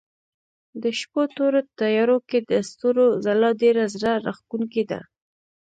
د شپو تورو تيارو کې د ستورو ځلا ډېره زړه راښکونکې ده.